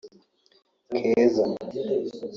Keza